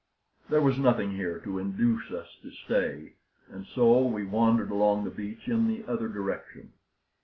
There was nothing here to induce us to stay, and so we wandered along the beach in the other direction.